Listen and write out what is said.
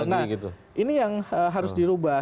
nah ini yang harus dirubah